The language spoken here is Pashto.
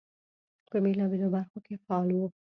په بېلابېلو برخو کې فعال وو.